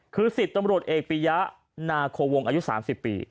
คือ๑๐ตำรวจเอกปียะนาโควงอายุ๓๐ปี